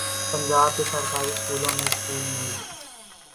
پنجاب کے سرکاری سکولوں میں سکول میل